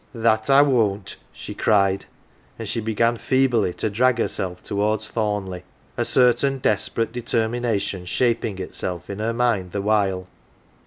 " That I won't !" she cried, and she began feebly to drag herself towards Thornleigh a certain desperate determination shaping itself in her mind the while.